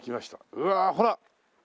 うわあほら。